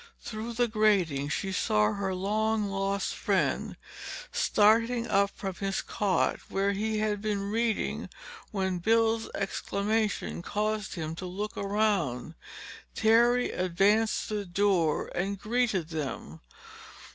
Through the grating she saw her long lost friend, starting up from his cot where he had been reading when Bill's exclamation caused him to look around. Terry advanced to the door and greeted them.